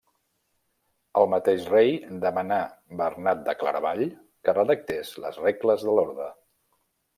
El mateix rei demanà Bernat de Claravall que redactés les regles de l'Orde.